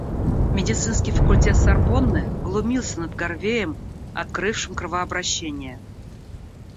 Медицинский факультет Сорбонны глумился над Гарвеем, открывшим кровообращение.